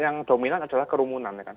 yang dominan adalah kerumunan ya kan